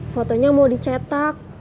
fotonya mau dicetak